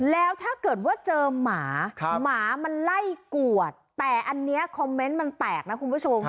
แล้วถ้าเกิดว่าเจอหมาหมามันไล่กวดแต่อันนี้คอมเมนต์มันแตกนะคุณผู้ชม